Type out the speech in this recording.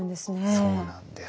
そうなんです。